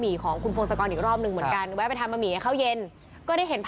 พี่พ่อจะป้อนผมได้ไหมตอนแรกนี้นะครับ